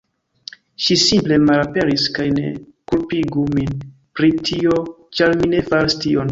Ŝi simple malaperis kaj ne kulpigu min pri tio ĉar mi ne faris tion